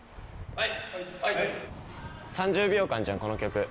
はい。